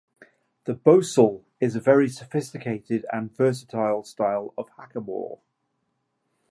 The bosal is a very sophisticated and versatile style of hackamore.